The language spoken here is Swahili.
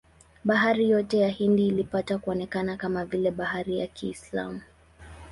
Bahari yote ya Hindi ilipata kuonekana kama vile bahari ya Kiislamu.